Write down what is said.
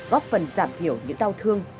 góp phần giảm thiểu những đau thương